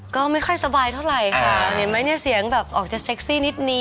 ก็ไม่ค่อยสบายเท่าไหร่ค่ะเห็นไหมเสียงออกจะเซ็กซี่นิด